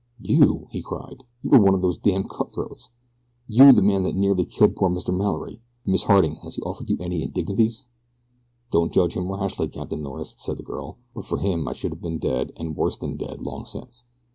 "You!" he cried. "You were one of those damned cut throats! You the man that nearly killed poor Mr. Mallory! Miss Harding, has he offered you any indignities?" "Don't judge him rashly, Captain Norris," said the girl. "But for him I should have been dead and worse than dead long since.